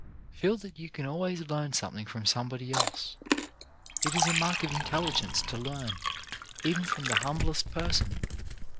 Feel that you can always learn something from some body else. It is a mark of intelligence to learn, even from the humblest person.